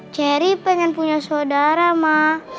cherry pengen punya saudara mak